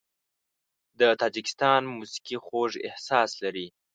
د تاجکستان موسیقي خوږ احساس لري.